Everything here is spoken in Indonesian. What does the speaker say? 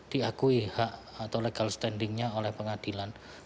diakui hak atau legal standingnya oleh pengadilan